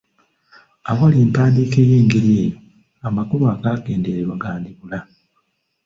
Awali empandiika ey’engeri eyo, amakulu agagendererwa gandibula.